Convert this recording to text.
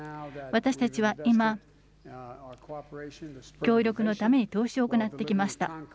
私たちは今、協力のために投資を行ってきました。